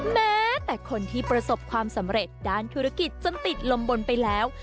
แม้แต่คนที่ประสบความสำเร็จด้านธุรกิจจนติดลมบนไปแล้ว